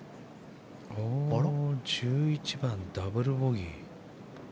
１１番、ダブルボギー。